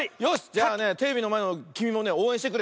じゃあねテレビのまえのきみもねおうえんしてくれ。